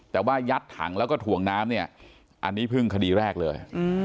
แต่ว่ายัดถังแล้วก็ถ่วงน้ำเนี่ยอันนี้เพิ่งคดีแรกเลย